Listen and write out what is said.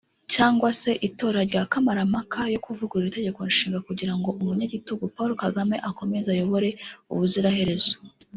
cyangwa se itora rya Kamarampaka yo kuvugurura itegeko nshinga kugira ngo umunyagitugu Paul Kagame akomeze ayobore ubuziraherezo